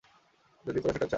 যদি খোদা সেটা চান।